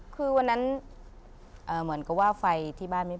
คือวันนั้นเหมือนกับว่าไฟที่บ้านนี้